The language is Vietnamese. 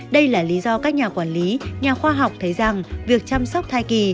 đây là lý do các nhà quản lý nhà khoa học thấy rằng việc chăm sóc thai kỳ